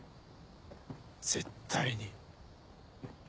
絶対に。